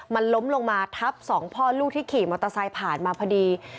มันล้มลงมาทับสองพ่อลูกที่ขี่มอเตอร์ไซค์ผ่านมาพอดี